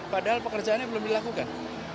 padahal pekerjaannya belum dilakukan